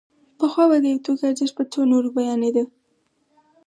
پخوا به د یو توکي ارزښت په څو نورو بیانېده